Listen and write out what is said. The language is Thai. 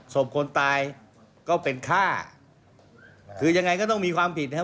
คนตายก็เป็นฆ่าคือยังไงก็ต้องมีความผิดนะครับ